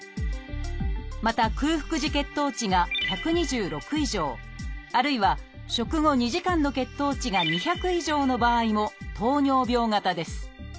また空腹時血糖値が１２６以上あるいは食後２時間の血糖値が２００以上の場合も糖尿病型です。